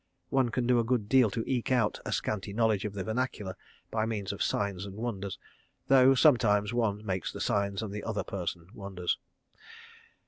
One can do a good deal to eke out a scanty knowledge of the vernacular by means of signs and wonders—though sometimes one makes the signs and the other person wonders.